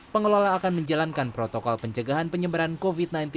pengelola akan menjalankan protokol pencegahan penyebaran covid sembilan belas